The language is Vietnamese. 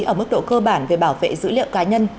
ở mức độ cơ bản về bảo vệ dữ liệu cá nhân